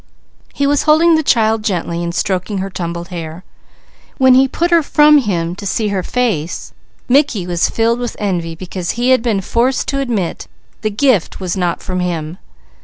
He was holding the child gently and stroking her tumbled hair. When he put her from him to see her face, Mickey was filled with envy because he had been forced to admit the gift was not from him.